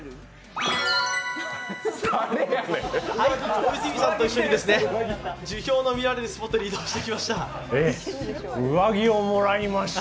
大泉さんと一緒に樹氷の見られるスポットに移動してきました。